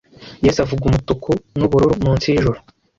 yesu avuga umutuku n'ubururu munsi y'ijuru